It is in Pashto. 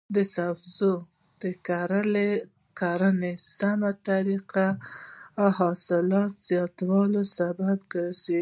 د سبزیو د کرنې سمه طریقه د حاصل زیاتوالي سبب کیږي.